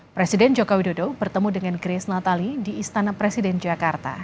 presiden jokowi dodo bertemu dengan grace natali di istana presiden jakarta